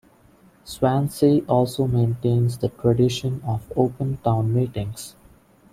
Swansea also maintains the tradition of open Town Meetings.